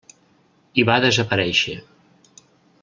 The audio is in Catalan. I va desaparèixer.